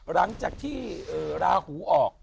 หลังจากที่ราหูออก